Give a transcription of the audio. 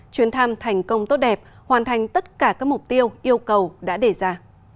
chuyến thăm thành công tốt đẹp hoàn thành tất cả các mục tiêu yêu cầu đã đề ra